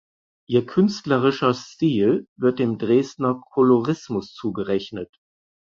Ihr künstlerischer Stil wird dem „Dresdner Kolorismus“ zugerechnet.